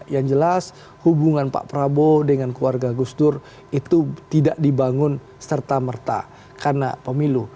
yang jelas hubungan pak prabowo dengan keluarga gus dur itu tidak dibangun serta merta karena pemilu